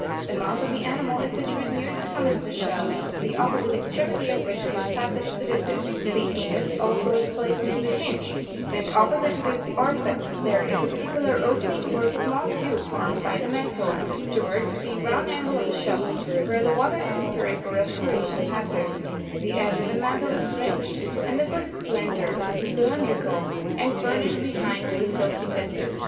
The mouth of the animal is situate near the summit of the shell, the opposite extremity of which gives passage to the byssus; the anus also is placed near the hinge; and opposite to this orifice there is a particular opening or small tube formed by the mantle; towards the round angle of the shell, where the water necessary for respiration passes, the edge of the mantle is fringed; and the foot is slender, cylindrical, and furnished behind with a silky byssus.